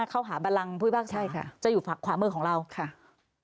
เข้าหาบันรังพุทธภาษาจะอยู่ขวาเมืองของเราค่ะใช่ค่ะ